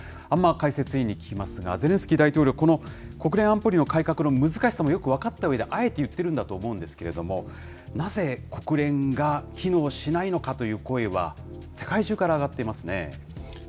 安間解説委員に聞きますが、ゼレンスキー大統領、この国連安保理の改革の難しさもよく分かったうえで、あえて言ってるんだと思うんですけれども、なぜ、国連が機能しないのかという声は、世界中から上がってますね。